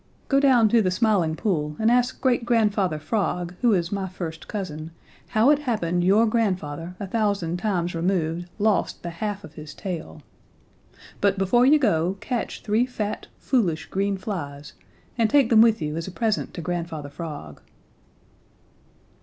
Go down to the Smiling Pool and ask Great Grandfather Frog, who is my first cousin, how it happened your grandfather a thousand times removed lost the half of his tail. But before you go catch three fat, foolish, green flies and take them with you as a present to Grandfather Frog."